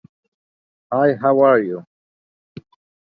She was the first woman elder in her Presbyterian church.